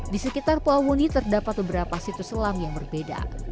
di sekitar pulau woni terdapat beberapa situs selam yang berbeda